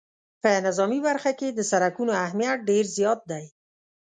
په نظامي برخه کې د سرکونو اهمیت ډېر زیات دی